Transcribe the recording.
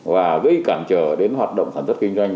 và gây cản trở đến hoạt động sản xuất kinh doanh